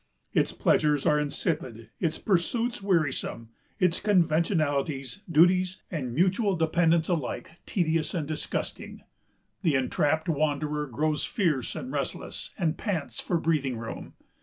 Its pleasures are insipid, its pursuits wearisome, its conventionalities, duties, and mutual dependence alike tedious and disgusting. The entrapped wanderer grows fierce and restless, and pants for breathing room.